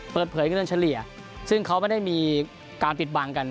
เปิดเผยเงินเฉลี่ยซึ่งเขาไม่ได้มีการปิดบังกัน